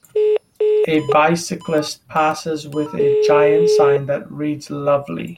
A bicyclist passes with a giant sign that reads lovely.